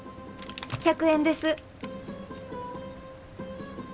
１００円です。